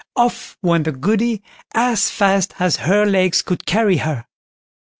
Off went the Goody as fast as her legs could carry her.